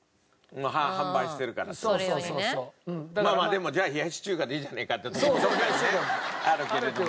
でもじゃあ冷やし中華でいいじゃねえかってとこもどっかにねあるけれども。